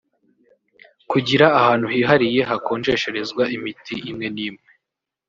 kugira ahantu hihariye hakonjesherezwa imiti imwe n’imwe